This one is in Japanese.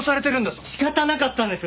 仕方なかったんです！